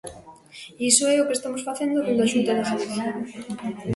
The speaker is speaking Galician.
E iso é o que estamos facendo dende a Xunta de Galicia.